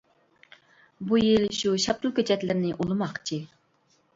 بۇ يىل شۇ شاپتۇل كۆچەتلىرىنى ئۇلىماقچى.